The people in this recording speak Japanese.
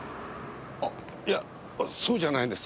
あっいやそうじゃないんです。